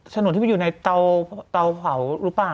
ถนนที่ไปอยู่ในเตาเผาหรือเปล่า